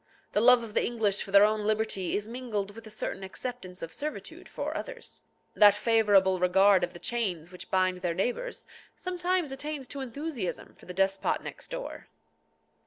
The love of the English for their own liberty is mingled with a certain acceptance of servitude for others. That favourable regard of the chains which bind their neighbours sometimes attains to enthusiasm for the despot next door.